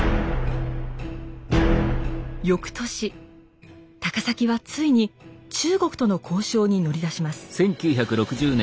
よくとし高碕はついに中国との交渉に乗り出します。